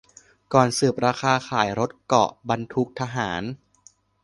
ก่อนสืบราคาขายรถเกราะ-บรรทุกทหาร